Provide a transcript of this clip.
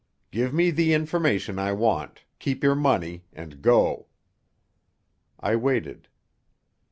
Give me the information I want, keep your money, and go." I waited.